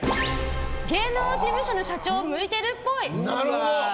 芸能事務所の社長向いているっぽい。